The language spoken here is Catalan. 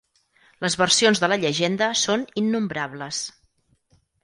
Les versions de la llegenda són innombrables.